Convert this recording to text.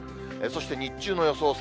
そして日中の予想